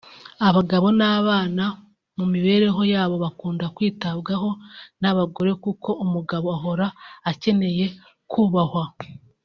Abagabo n’abana mu mibereho yabo bakunda kwitabwaho n’abagore kuko umugabo ahora akeneye kubahwa